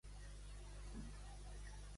Què ha posat sobre la taula Mata?